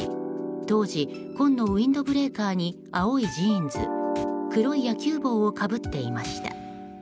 当時、紺のウィンドブレーカーに青いジーンズ黒い野球帽をかぶっていました。